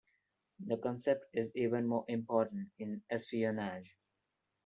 The concept is even more important in espionage.